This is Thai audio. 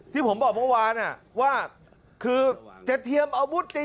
ที่ผมบอกเมื่อวานอ่ะว่าคือจะเทียมอาวุธจะอย่างนั้นอย่างนี้